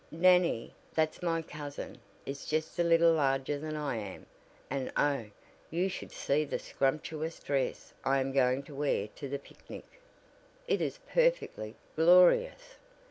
Nannie, that's my cousin, is just a little larger than I am, and oh, you should see the scrumbunctious dress I am going to wear to the picnic! It is perfectly glorious!"